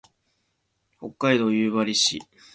北海道夕張市